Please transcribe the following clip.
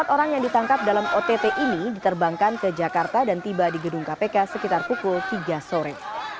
empat orang yang ditangkap dalam ott ini diterbangkan ke jakarta dan tiba di gedung kpk sekitar pukul tiga sore